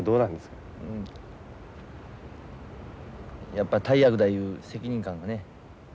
やっぱ大役だいう責任感がね